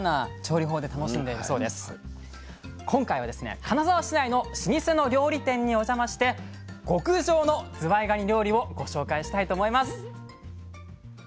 今回はですね金沢市内の老舗の料理店にお邪魔して極上のずわいがに料理をご紹介したいと思います。